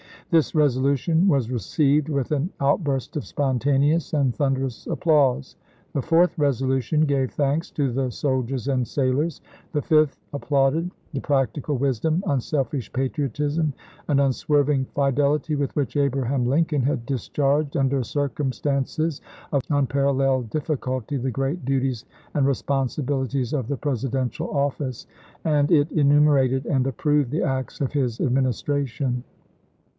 This resolution was received with an outburst of spontaneous and thunderous applause. The fourth resolution gave thanks to the soldiers and sailors ; the fifth applauded the practical wis dom, unselfish patriotism, and unswerving fidelity with which Abraham Lincoln had discharged, under circumstances of unparalleled difficulty, the great duties and responsibilities of the Presidential office, and it enumerated and approved the acts of his Administration.